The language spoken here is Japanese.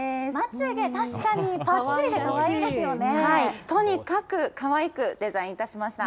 確かに、ぱっちりでかわいいですとにかくかわいくデザインいたしました。